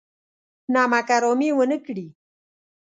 نمک حرامي ونه کړي.